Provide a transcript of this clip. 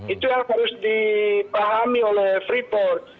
itu yang harus dipahami oleh freeport